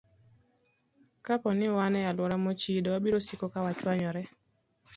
Kapo ni wan e alwora mochido, wabiro siko ka wach wanyore.